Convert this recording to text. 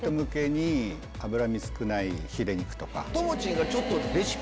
脂身少ないヒレ肉とか。